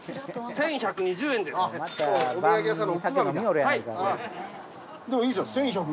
１，１２０円でしょ。